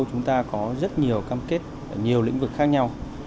chúng ta có rất nhiều cam kết ở nhiều lĩnh vực khác nhau